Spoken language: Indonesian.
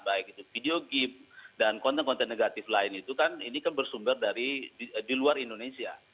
baik itu video gip dan konten konten negatif lain itu kan ini kan bersumber dari di luar indonesia